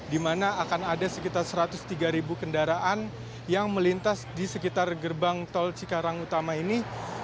di mana akan ada sekitar satu ratus tiga ribu kendaraan yang melintas di sekitar gerbang tol cikarang utama ini